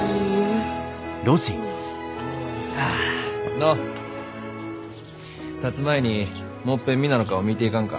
のうたつ前にもっぺん皆の顔見て行かんか？